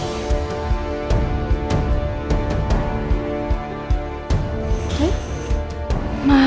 mohon maafin putri ya